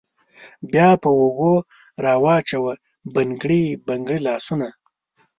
بیا په اوږو راوچوه بنګړي بنګړي لاسونه